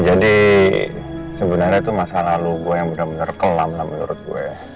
jadi sebenarnya itu masa lalu gue yang bener bener kelam lah menurut gue